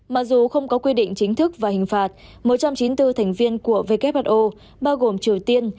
mặc dù không có quy định chính thức và hình phạt một trăm chín mươi bốn thành viên của who bao gồm triều tiên